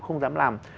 không dám làm